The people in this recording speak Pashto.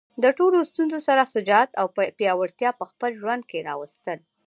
د ټولو له ستونزو سره شجاعت او پیاوړتیا په خپل ژوند کې راوستل.